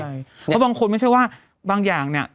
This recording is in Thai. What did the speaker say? เพราะบางคนไม่ใช่ว่าบางอย่างเนี่ย